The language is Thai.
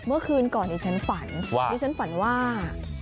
เมื่อคืนก่อนดิฉันฝันดิฉันฝันว่า